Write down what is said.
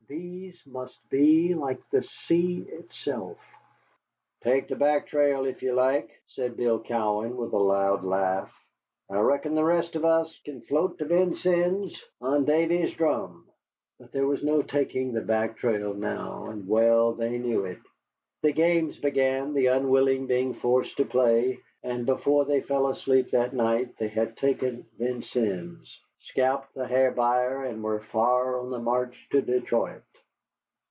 These must be like the sea itself. "Take the back trail, if ye like," said Bill Cowan, with a loud laugh. "I reckon the rest of us kin float to Vincennes on Davy's drum." But there was no taking the back trail now; and well they knew it. The games began, the unwilling being forced to play, and before they fell asleep that night they had taken Vincennes, scalped the Hair Buyer, and were far on the march to Detroit.